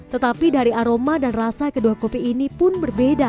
tetapi dari aroma dan rasa kedua kopi ini pun berbeda